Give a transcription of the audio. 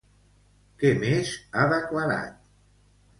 Què més ha declarat?